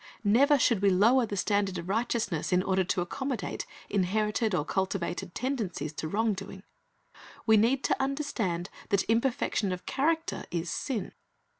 Never should we lower the standard of righteousness in order to accommodate inherited or cultivated tendencies to wrong doing. We need to understand that imperfection of character is sin.